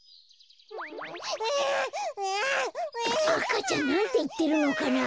赤ちゃんなんていってるのかな？